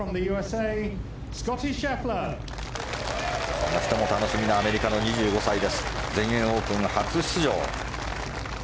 この人も楽しみなアメリカの２５歳全英オープン初出場。